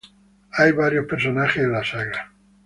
Hay varios personajes en la saga.